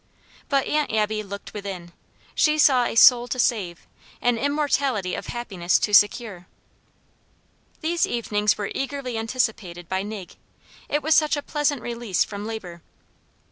But Aunt Abby looked within. She saw a soul to save, an immortality of happiness to secure. These evenings were eagerly anticipated by Nig; it was such a pleasant release from labor.